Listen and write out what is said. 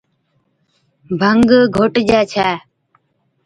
ڀنگ گھوٽجي ڇَي